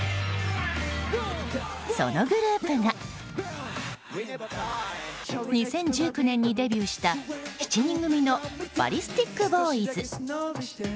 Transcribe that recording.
そのグループが２０１９年にデビューした７人組のＢＡＬＬＩＳＴＩＫＢＯＹＺ。